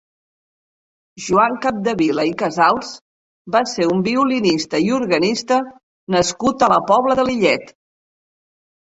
Joan Capdevila i Casals va ser un violinista i organista nascut a la Pobla de Lillet.